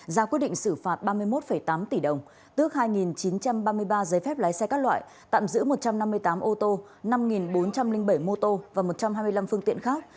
ra quyết định xử phạt ba mươi một tám tỷ đồng tước hai chín trăm ba mươi ba giấy phép lái xe các loại tạm giữ một trăm năm mươi tám ô tô năm bốn trăm linh bảy mô tô và một trăm hai mươi năm phương tiện khác